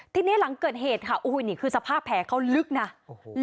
ทีนี้หลังเกิดเหตุค่ะโอ้โหนี่คือสภาพแผลเขาลึกนะโอ้โห